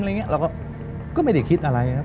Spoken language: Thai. เราก็ไม่ได้คิดอะไรครับ